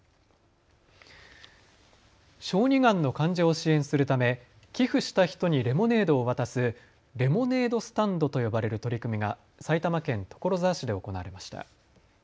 小児がんの患者を支援するため寄付した人にレモネードを渡すレモネードスタンドと呼ばれる取り組みが埼玉県所沢市で行われました。